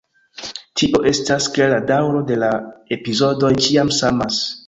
Tipe estas, ke la daŭro de la epizodoj ĉiam samas.